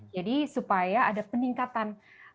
jadi supaya ada peningkatan